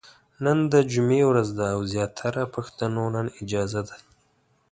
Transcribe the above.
نن د جمعې ورځ ده او زياتره پښتنو نن اجازه ده ،